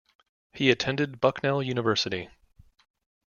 He attended Bucknell University.